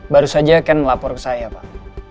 baru saja kan melapor ke saya pak